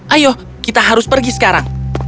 ayo kita harus pergi sekarang